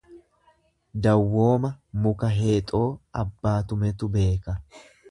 Dawwooma muka heexoo abbaa tumetu beeka.